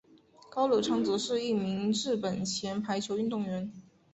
高柳昌子是一名日本前排球运动员。